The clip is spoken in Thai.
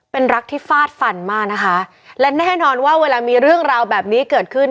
เป็นรักที่ฟาดฟันมากนะคะและแน่นอนว่าเวลามีเรื่องราวแบบนี้เกิดขึ้น